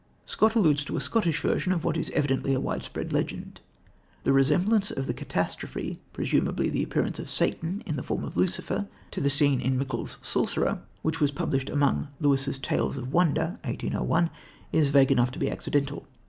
Scott alludes to a Scottish version of what is evidently a widespread legend. The resemblance of the catastrophe presumably the appearance of Satan in the form of Lucifer to the scene in Mickle's Sorcerer, which was published among Lewis's Tales of Wonder (1801), is vague enough to be accidental.